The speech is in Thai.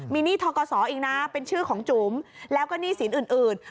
มีหนี้ทกศอีกนะเป็นชื่อของจุ๋มแล้วก็หนี้สินอื่น